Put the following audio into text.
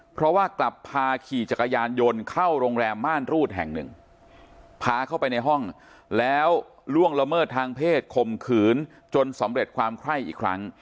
เพราะว่ากลับพาขี่จักรยานยนต์เข้าโรงแรมม่านรูดแห่งหนึ่งพาเข้าไปในห้องแล้วล่วงละเมิดทางเพศคมขืนจนสำเร็จความไคร้อีกครั้ง